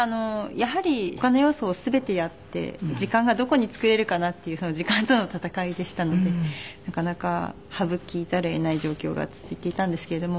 やはり他の要素を全てやって時間がどこに作れるかなっていう時間との闘いでしたのでなかなか省かざるを得ない状況が続いていたんですけれども。